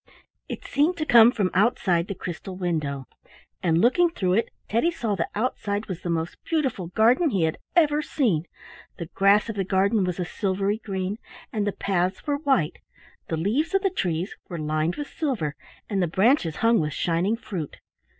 It seemed to come from outside the crystal window, and looking through it Teddy saw that outside was the most beautiful garden he had ever seen. The grass of the garden was a silvery green; and the paths were white. The leaves of the tress were lined with silver, and the branches hung with shining fruit.